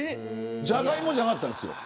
じゃがいもじゃなかったです。